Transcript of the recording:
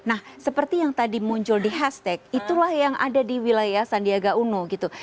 nah seperti yang tadi muncul di hashtag itulah yang ada di wilayah sandiaga uno gitu